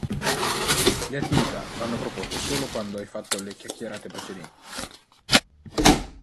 Le attività vanno proposte solo quando hai fatto le chiacchierate precedenti.